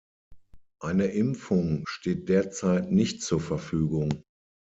Eine Impfung steht derzeit nicht zur Verfügung.